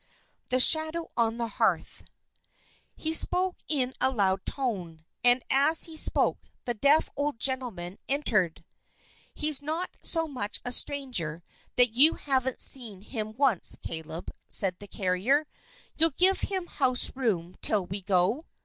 The Shadow on the Hearth He spoke in a loud tone; and as he spoke, the deaf old gentleman entered. "He's not so much a stranger that you haven't seen him once, Caleb," said the carrier. "You'll give him house room till we go?"